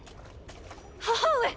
母上！